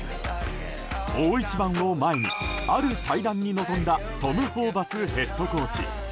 大一番を前に、ある対談に臨んだトム・ホーバスヘッドコーチ。